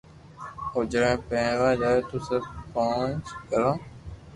او جڻي پينوا جاتو تو صرف پئنچ گھرو